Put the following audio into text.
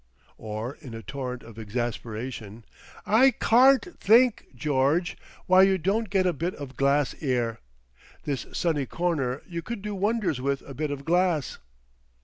Or in a torrent of exasperation, "I CARN'T think, George, why you don't get a bit of glass 'ere. This sunny corner you c'd do wonders with a bit of glass."